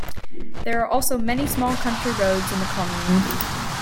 There are also many small country roads in the commune.